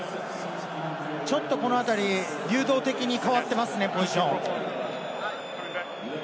ちょっとこの辺り流動的に変わっていますね、ポジション。